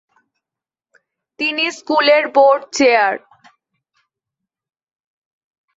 তিনি স্কুলের board chair.